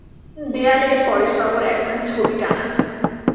দেয়ালে পরেশবাবুর একখানি ছবি টাঙানো।